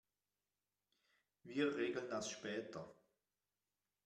Wir regeln das später.